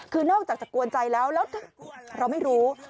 คือนอกจากจะกวนใจแล้วแล้วเราไม่รู้